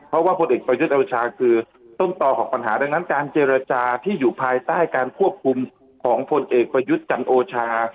เพราะว่าพลเอกประยุทธ์โอชาคือต้นต่อของปัญหาดังนั้นการเจรจาที่อยู่ภายใต้การควบคุมของพลเอกประยุทธ์จันโอชา